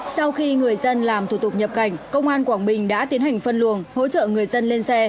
sau khi người dân làm thủ tục nhập cảnh công an quảng bình đã tiến hành phân luồng hỗ trợ người dân lên xe